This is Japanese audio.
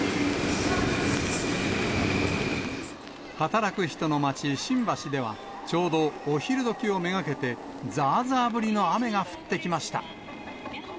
働く人の街、新橋では、ちょうどお昼どきを目がけて、ざーざー降りの雨が降ってきました。